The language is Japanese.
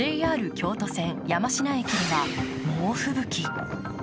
京都線・山科駅には猛吹雪。